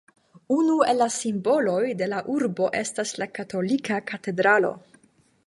Unu el la simboloj de la urbo estas la katolika katedralo.